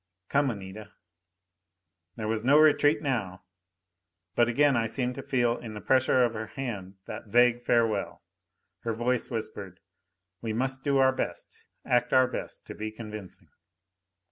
"Come, Anita." There was no retreat now. But again I seemed to feel in the pressure of her hand that vague farewell. Her voice whispered, "We must do our best, act our best to be convincing."